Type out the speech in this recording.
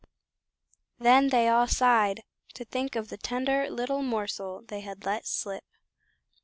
Then they all sighed to think of the tender little morsel they had let slip.